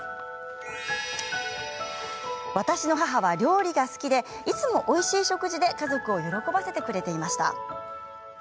私の母は料理が好きでいつも、おいしい食事で家族を喜ばせてくれていました。